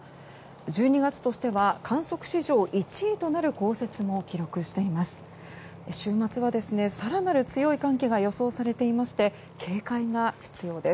１２月としては観測史上１位となる降雪も記録しています。